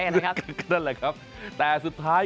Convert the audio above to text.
นั่นแหละครับแต่สุดท้าย